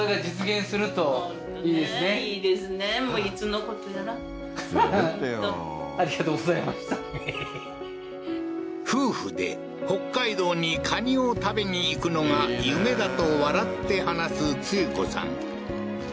はっ夫婦で北海道にカニを食べに行くのが夢だと笑って話すツユ子さん